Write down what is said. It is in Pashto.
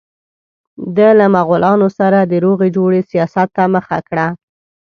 ده له مغولانو سره د روغې جوړې سیاست ته مخه کړه.